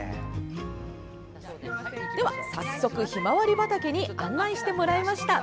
早速、ひまわり畑に案内してもらいました。